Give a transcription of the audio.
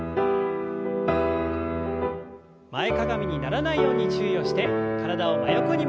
前かがみにならないように注意をして体を真横に曲げます。